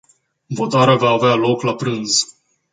Votarea va avea loc la prânz.